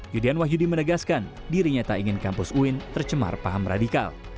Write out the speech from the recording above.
yudian wahyudi menegaskan dirinya tak ingin kampus uin tercemar paham radikal